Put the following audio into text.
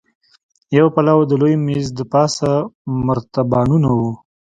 يو پلو د لوی مېز دپاسه مرتبانونه وو.